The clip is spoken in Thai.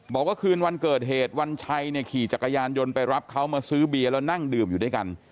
บอกว่าคืนวันเกิดเหตุวัญชัยเนี่ยขี่จักรยานยนต์ไปรับเขามาซื้อเบียร์แล้วนั่งดื่มอยู่ด้วยกัน